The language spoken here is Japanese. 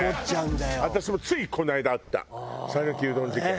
私もついこの間あった讃岐うどん事件。